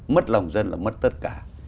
mất lòng dân là mất tất cả